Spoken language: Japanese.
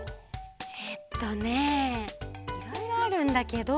えっとねいろいろあるんだけど。